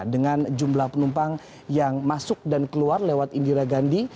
dengan jumlah penumpang yang masuk dan keluar lewat indira gandhi